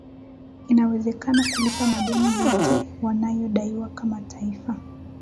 inawezekana kulipa madeni yote wanayodaiwa kama taifa